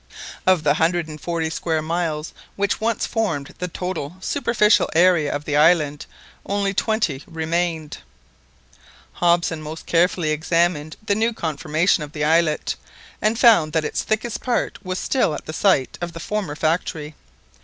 Of the hundred and forty square miles which once formed the total superficial area of the island, only twenty remained. Hobson most carefully examined the new conformation of the islet, and found that its thickest part was still at the site of the former factory.